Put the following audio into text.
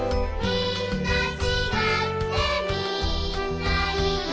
「みんなちがってみんないい」